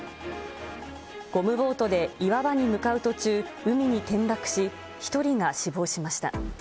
ゴムボートで岩場に向かう途中、海に転落し、１人が死亡しました。